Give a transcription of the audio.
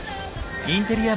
インテリア